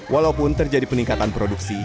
walaupun terjadi peningkatan produksi